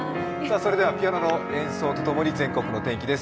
それではピアノの演奏とともに全国の天気です。